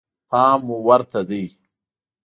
فهم ورته دی.